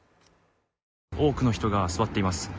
多くの人が座っています。